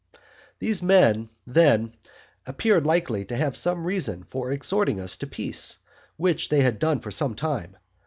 These men, then, appeared likely to have some reason for exhorting us to peace, which they had done for some time.